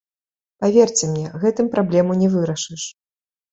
Паверце мне, гэтым праблему не вырашыш.